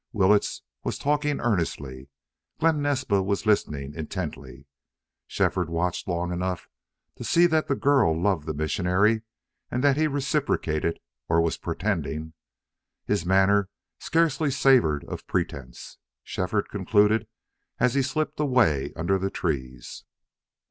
Willetts was talking earnestly; Glen Naspa was listening intently. Shefford watched long enough to see that the girl loved the missionary, and that he reciprocated or was pretending. His manner scarcely savored of pretense, Shefford concluded, as he slipped away under the trees.